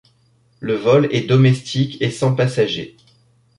Le vol est domestique et sans passager.